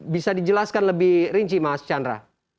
bisa dijelaskan lebih rinci mas chandra